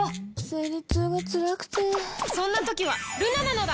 生理痛がつらくてそんな時はルナなのだ！